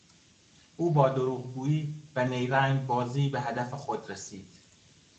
او با دروغگویی و نیرنگ بازی به هدف خود رسید.